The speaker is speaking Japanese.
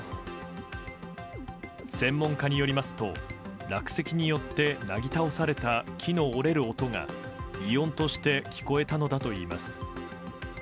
専門家によりますと落石によって、なぎ倒された木の折れる音が、異音として聞こえたのだといいます。